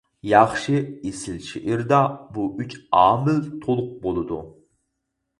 ياخشى ئېسىل شېئىردا بۇ ئۈچ ئامىل تولۇق بولىدۇ.